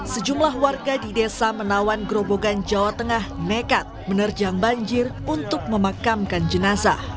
sejumlah warga di desa menawan gerobogan jawa tengah nekat menerjang banjir untuk memakamkan jenazah